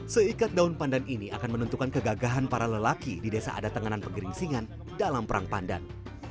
seikat daun pandan ini akan menentukan kegagahan para lelaki di desa ada tenganan pegeringsingan dalam perang pandan